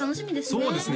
そうですね